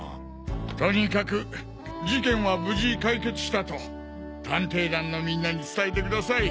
とにかく事件は無事解決したと探偵団のみんなに伝えて下さい。